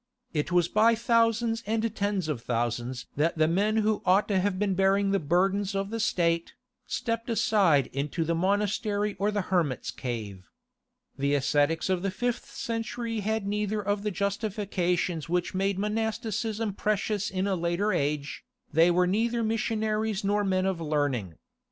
It was by thousands and ten thousands that the men who ought to have been bearing the burdens of the State, stepped aside into the monastery or the hermit's cave. The ascetics of the fifth century had neither of the justifications which made monasticism precious in a later age, they were neither missionaries nor men of learning.